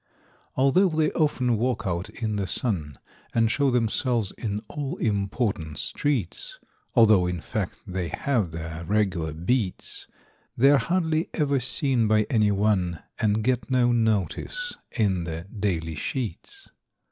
= Although they often walk out in the sun, `And show themselves in all important streets, `Although in fact they have their "regular beats," They're hardly ever seen by any one, `And get no notice in the "daily sheets."